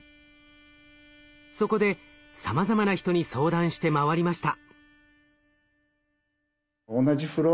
そこでさまざまな人に相談して回りました。